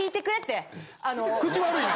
・口悪いな！